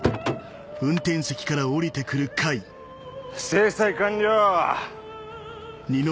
制裁完了！